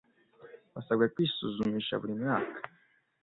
basabwa kwisuzumisha buri mwaka